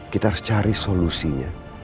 kita harus cari solusinya